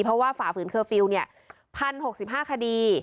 เพราะว่าฝ่าฝืนเคอร์ฟิลล์๑๐๖๕คดี